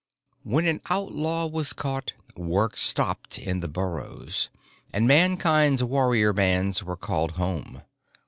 When an outlaw was caught, work stopped in the burrows, and Mankind's warrior bands were called home.